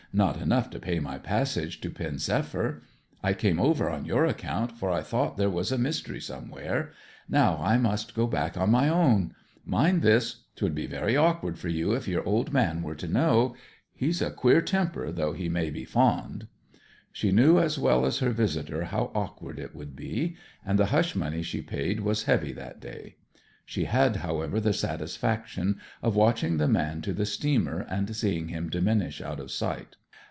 Not enough to pay my passage to Pen zephyr. I came over on your account, for I thought there was a mystery somewhere. Now I must go back on my own. Mind this 'twould be very awkward for you if your old man were to know. He's a queer temper, though he may be fond.' She knew as well as her visitor how awkward it would be; and the hush money she paid was heavy that day. She had, however, the satisfaction of watching the man to the steamer, and seeing him diminish out of sight.